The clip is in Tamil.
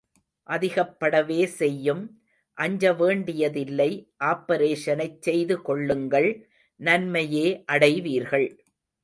அதிகப்படவே செய்யும், அஞ்ச வேண்டியதில்லை, ஆப்பரேஷனைச் செய்து கொள்ளுங்கள், நன்மையே அடைவீர்கள்.